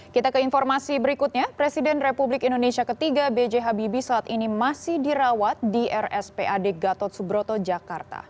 kita ke informasi berikutnya presiden republik indonesia ketiga b j habibie saat ini masih dirawat di rspad gatot subroto jakarta